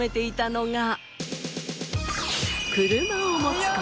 車を持つ事。